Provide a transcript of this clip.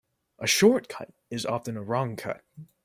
A short cut is often a wrong cut.